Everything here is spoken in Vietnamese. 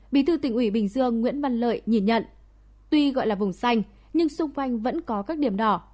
bí thư tỉnh ủy bình dương nguyễn văn lợi nhìn nhận tuy gọi là vùng xanh nhưng xung quanh vẫn có các điểm đỏ